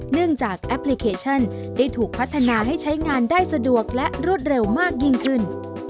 จากแอปพลิเคชันได้ถูกพัฒนาให้ใช้งานได้สะดวกและรวดเร็วมากยิ่งขึ้น